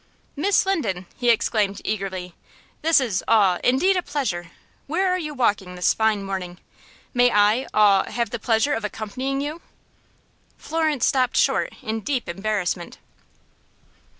"Miss Linden!" he exclaimed, eagerly. "This is aw indeed a pleasure. Where are you walking this fine morning? May I aw have the pleasure of accompanying you?" Florence stopped short in deep embarrassment.